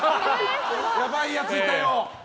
やばいやついたよ！